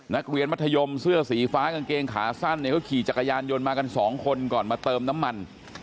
นักเรียนมัธยมเสื้อสีฟ้ากางเกงขาสั้นเนี่ยเขาขี่จักรยานยนต์มากันสองคนก่อนมาเติมน้ำมัน